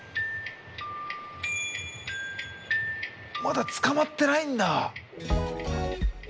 まだ捕まってないんだ。